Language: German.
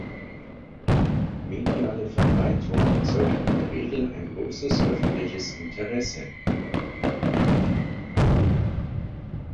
Mediale Verbreitung erzeugt in der Regel ein großes öffentliches Interesse.